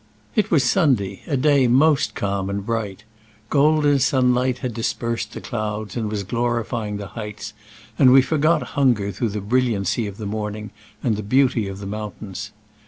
It was Sunday, a day most calm and bright. Golden sunlight had dispersed the clouds and was glorifying the heights, and we forgot hunger through the bril liancy of the morning and beauty of the mountains.